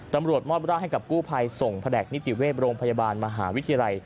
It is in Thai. ตำรวจมอบร่างให้กับกู้ภัยส่งแผนกนิติเวศโรงพยาบาลมหาวิทยาลัย